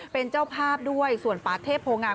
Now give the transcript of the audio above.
เป็นเจ้าภาพด้วยส่วนปาเทพโพงาม